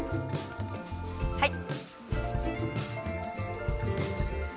はい。